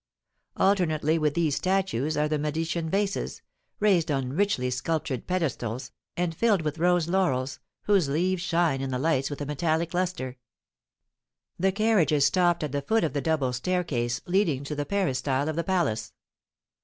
Alternately with these statues are the Medicean vases, raised on richly sculptured pedestals, and filled with rose laurels, whose leaves shine in the lights with a metallic lustre. The carriages stopped at the foot of the double staircase leading to the peristyle of the palace.